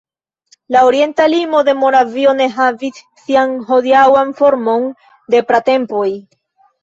La orienta limo de Moravio ne havis sian hodiaŭan formon de pratempoj.